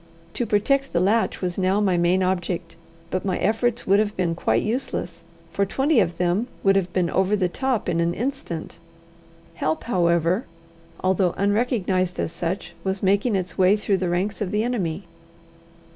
To protect the latch was now my main object, but my efforts would have been quite useless, for twenty of them would have been over the top in an instant. Help, however, although unrecognized as such, was making its way through the ranks of the enemy.